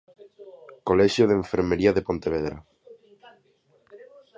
Colexio de Enfermería de Pontevedra.